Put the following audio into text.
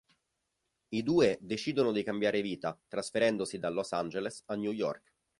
I due decidono di cambiare vita, trasferendosi da Los Angeles a New York.